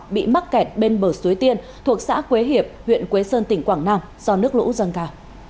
bị mắc kẹt bên bờ suối tiên thuộc xã quế hiệp huyện quế sơn tỉnh quảng nam do nước lũ dâng cao